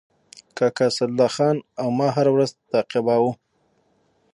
کاکا اسدالله خان او ما هره ورځ تعقیباوه.